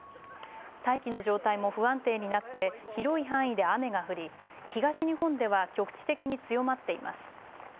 大気の状態も不安定になって広い範囲で雨が降り東日本では局地的に強まっています。